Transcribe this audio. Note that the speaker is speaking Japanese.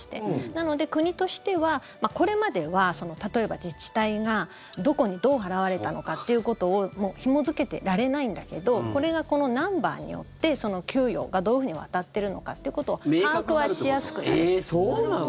なので、国としてはこれまでは例えば自治体がどこにどう払われたのかっていうことをもうひも付けてられないんだけどこれが、このナンバーによって給与がどういうふうに渡ってるのかってことをえーっ、そうなの？